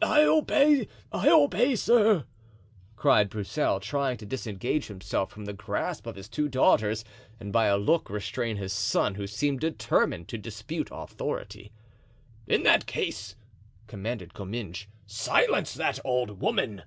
"I obey, I obey, sir!" cried Broussel, trying to disengage himself from the grasp of his two daughters and by a look restrain his son, who seemed determined to dispute authority. "In that case," commanded Comminges, "silence that old woman."